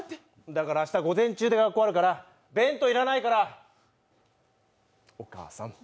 だから明日、午前中で学校、終わるから弁当いらないからお母さん。